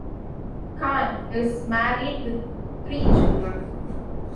Kann is married with three children.